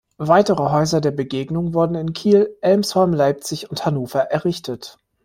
Weitere Häuser der Begegnung wurden in Kiel, Elmshorn, Leipzig und Hannover errichtet.